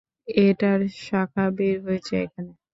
এটার শাখা বের হয়েছে এখানে।